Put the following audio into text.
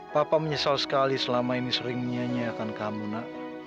papa menyesal sekali selama ini sering menyianyiakan kamu nak